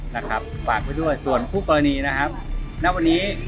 นะครับฝากไว้ด้วยส่วนคู่กรณีนะครับณวันนี้